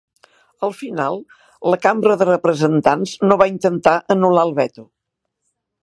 Al final, la Cambra de representants no va intentar anular el veto.